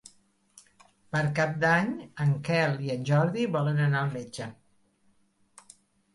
Per Cap d'Any en Quel i en Jordi volen anar al metge.